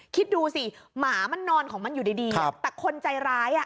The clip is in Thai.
คิดดูสิหมามันนอนของมันอยู่ดีแต่คนใจร้ายอ่ะ